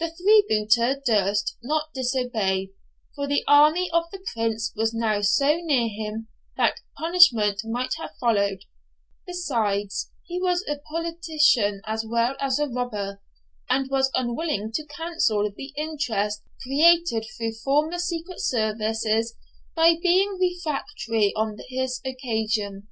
The freebooter durst not disobey, for the army of the Prince was now so near him that punishment might have followed; besides, he was a politician as well as a robber, and was unwilling to cancel the interest created through former secret services by being refractory on this occasion.